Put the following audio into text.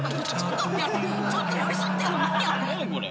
ちょっと寄り添ってんの何あれ？